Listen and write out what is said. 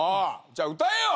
じゃあ歌えよ！